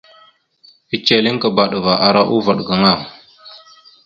Eceleŋkaba dəva ara uvaɗ gaŋa.